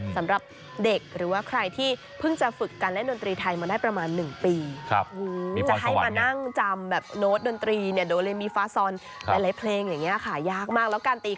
สำหรับเด็กหรือว่าใครที่เพิ่งจะฝึกการเล่นดนตรีไทยมาได้ประมาณ๑ปี